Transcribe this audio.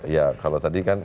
ya kalau tadi kan